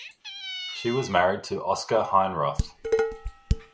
She was married to Oskar Heinroth.